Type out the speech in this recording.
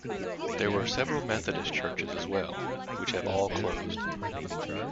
There were several Methodist churches as well, which have all closed.